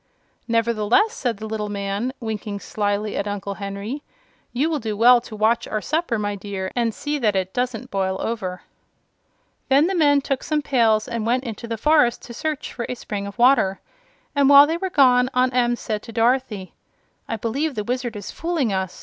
"Nevertheless," said the little man, winking slyly at Uncle Henry, "you will do well to watch our supper, my dear, and see that it doesn't boil over." Then the men took some pails and went into the forest to search for a spring of water, and while they were gone Aunt Em said to Dorothy: "I believe the Wizard is fooling us.